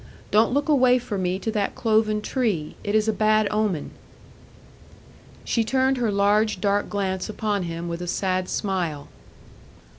Don't look away from me to that cloven tree; it is a bad omen." She turned her large dark glance upon him with a sad smile.